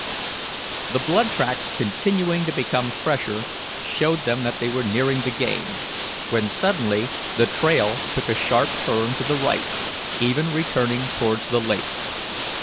The blood tracks, continuing to become fresher, showed them they were nearing the game, when suddenly the trail took a sharp turn to the right, even returning towards the lake.